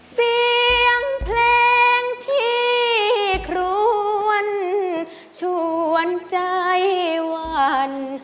เสียงเพลงที่ครวนชวนใจวัน